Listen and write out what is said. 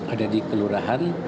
ada di kelurahan